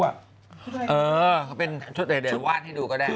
เออเขาเป็นมาวาดให้ดูก็ได้